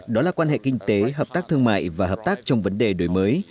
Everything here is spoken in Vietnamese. đó là quan hệ kinh tế hợp tác thương mại và hợp tác trong vấn đề đổi mới